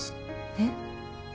えっ？